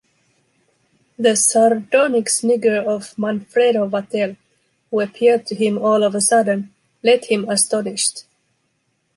The sardonic snigger of Manfredo Vatel, who appeared to him all of a sudden, let him astonished.